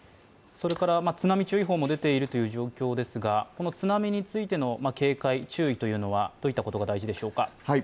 それから津波注意報も出ているという状況ですが、この津波についての警戒注意というのはどういったことが大事でしょうか？